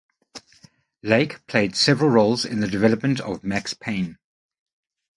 Lake played several roles in the development of "Max Payne".